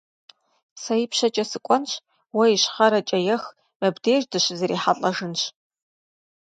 Сэ ипщэкӀэ сыкӀуэнщ, уэ ищхъэрэкӀэ ех, мыбдеж дыщызэрихьэлӀэжынщ.